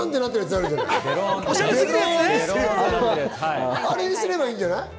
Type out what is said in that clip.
あれにすればいいんじゃない。